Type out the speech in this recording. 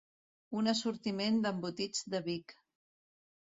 Un assortiment d'embotits de Vic.